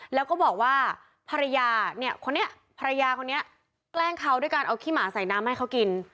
แล้วก็บอกว่าภรรยาเนี่ยคนนี้ภรรยาคนนี้แกล้งเขาด้วยการเอาขี้หมาใส่น้ำให้เขากิน